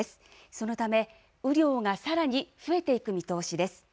そのため雨量がさらに増えていく見通しです。